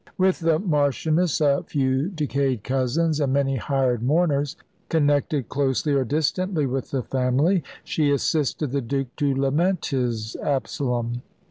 With the Marchioness, a few decayed cousins, and many hired mourners, connected closely or distantly with the family, she assisted the Duke to lament his Absalom.